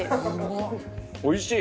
おいしい！